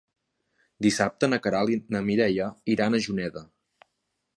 Dissabte na Queralt i na Mireia iran a Juneda.